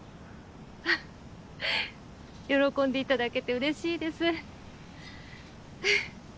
フフ喜んでいただけて嬉しいです。